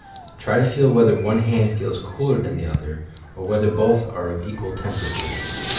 Try to feel whether one hand feels cooler than the other; or whether both are of equal temperature.